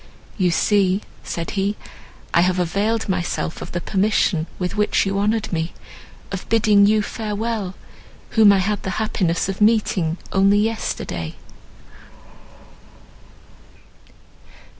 "You see," said he, "I have availed myself of the permission with which you honoured me—of bidding you farewell, whom I had the happiness of meeting only yesterday."